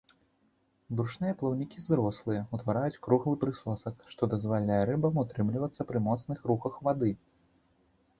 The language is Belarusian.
Брушныя плаўнікі зрослыя, утвараюць круглы прысосак, што дазваляе рыбам утрымлівацца пры моцных рухах вады.